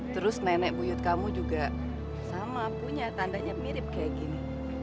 terus nenek buyut kamu juga sama punya tandanya mirip kayak gini